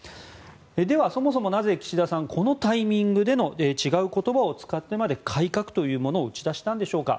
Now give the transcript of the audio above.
では、そもそもなぜ岸田さんはこのタイミングで違う言葉を使ってまで改革というものを打ち出したんでしょうか。